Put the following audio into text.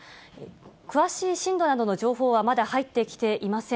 詳しい震度などの情報はまだ入ってきていません。